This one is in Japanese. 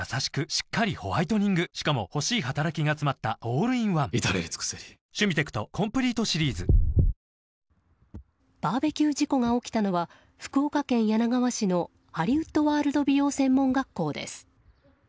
しっかりホワイトニングしかも欲しい働きがつまったオールインワン至れり尽せりバーベキュー事故が起きたのは福岡県柳川市のハリウッドワールド美容専門学校です。